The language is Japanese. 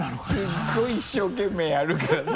すごい一生懸命やるから。